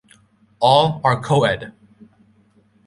All are co-ed.